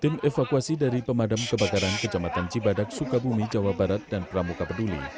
tim evakuasi dari pemadam kebakaran kejamatan cibadak sukabumi jawa barat dan pramuka peduli